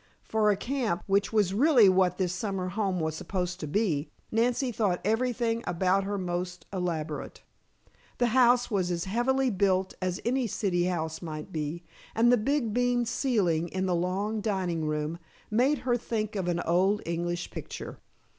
For a camp, which was really what this summer home was supposed to be, Nancy thought everything about her most elaborate. The house was as heavily built as any city house might be, and the big beamed ceiling in the long dining room, made her think of an old English picture.